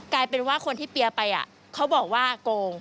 กลายเป็นว่าคนที่เปี๊ยไปเขาบอกว่าโกง